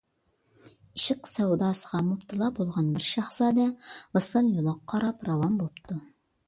ئىشق سەۋداسىغا مۇپتىلا بولغان بىر شاھزادە ۋىسال يولىغا قاراپ راۋان بوپتۇ.